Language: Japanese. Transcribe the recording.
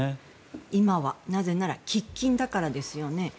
今はなぜなら喫緊だからですよね。